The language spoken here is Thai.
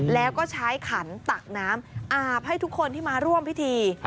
แล้วก็ใช้ขันตักน้ำอาบให้ทุกคนที่มาร่วมพิธี